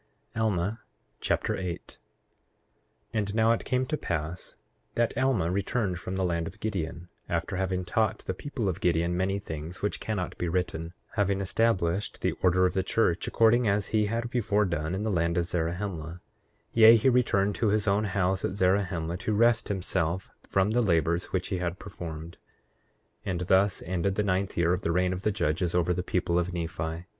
Alma Chapter 8 8:1 And now it came to pass that Alma returned from the land of Gideon, after having taught the people of Gideon many things which cannot be written, having established the order of the church, according as he had before done in the land of Zarahemla, yea, he returned to his own house at Zarahemla to rest himself from the labors which he had performed. 8:2 And thus ended the ninth year of the reign of the judges over the people of Nephi.